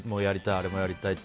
これもやりたいって。